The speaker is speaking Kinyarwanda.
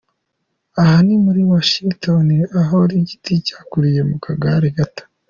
Aha ni muri Washington ahoiki giti cyakuriye mu kagare gato.